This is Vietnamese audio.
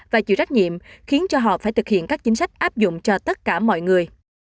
và chịu trách nhiệm khiến cho họ phải thực hiện các chính sách áp dụng cho tất cả mọi người